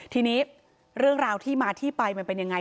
ทีนี้เรื่องราวที่มาที่ไปมันเป็นยังไง